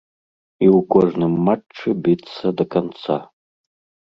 І ў кожным матчы біцца да канца.